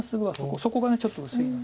そこがちょっと薄いので。